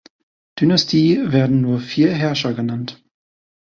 Dynastie werden nur vier Herrscher genannt.